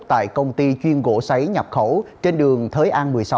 tại công ty chuyên gỗ sấy nhập khẩu trên đường thới an một mươi sáu